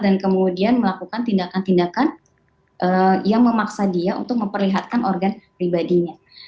dan kemudian melakukan tindakan tindakan yang memaksa dia untuk memperlihatkan organ pribadinya